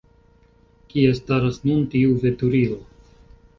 Kie staras nun tiu veturilo?